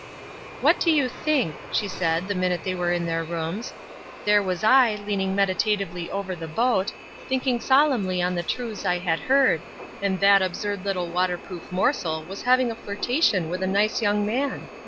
"What do you think!" she said the minute they were in their rooms. "There was I, leaning meditatively over the boat, thinking solemnly on the truths I had heard, and that absurd little water proof morsel was having a flirtation with a nice young man.